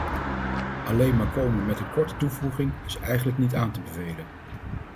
Alleen maar komen met een korte toevoeging is eigenlijk niet aan te bevelen.